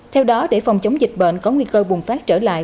theo đó để phòng chống dịch bệnh có nguy cơ bùng phát trở lại